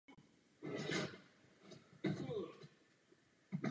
Též souhlasím s věcným a racionálním přístupem k přistěhovalecké politice.